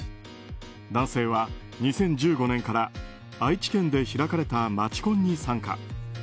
男性は２０１５年から愛知県で開かれた街コンに参加。